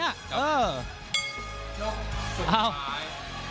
ยกสุดท้าย